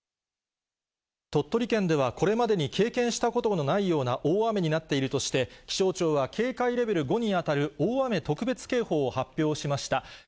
鳥取県ではこれまでに経験したことのないような大雨になっているとして、気象庁は警戒レベル５に当たる大雨特別警報を発表しました。